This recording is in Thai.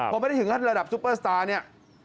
พอไม่ได้ถึงขั้นระดับซุปเปอร์สตาร์เนี่ย